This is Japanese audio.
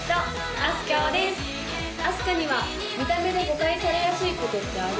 あすかには見た目で誤解されやすいことってある？